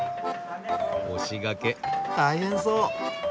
押しがけ大変そう。